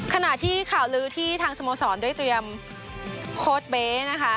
ขณะที่ข่าวลือที่ทางสโมสรได้เตรียมโค้ดเบ๊นะคะ